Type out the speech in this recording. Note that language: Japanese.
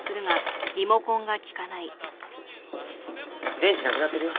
電池なくなってるよ。